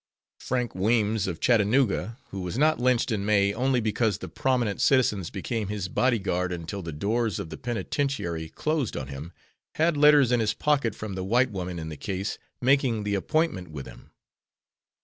Frank Weems of Chattanooga who was not lynched in May only because the prominent citizens became his body guard until the doors of the penitentiary closed on him, had letters in his pocket from the white woman in the case, making the appointment with him.